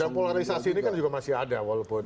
dan polarisasi ini kan juga masih ada walaupun